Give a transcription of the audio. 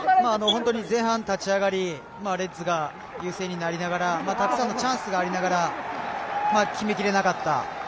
本当に前半立ち上がりレッズが優勢になりながらたくさんのチャンスがありながら決めきれなかった。